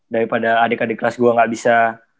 daripada adik adik kelas gue gak bisa